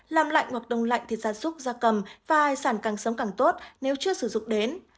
làm lạnh hoặc đông lạnh thịt da súc da cầm và hải sản càng sống càng tốt nếu chưa sử dụng đến